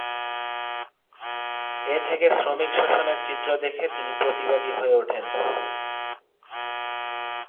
এ থেকে শ্রমিক শোষণের চিত্র দেখে তিনি প্রতিবাদী হয়ে ওঠেন।